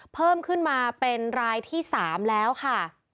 เพิ่มขึ้นมาเป็นรายที่๓แล้วค่ะ